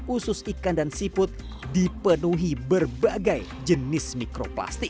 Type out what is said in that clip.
usus ikan dan siput dipenuhi berbagai jenis mikroplastik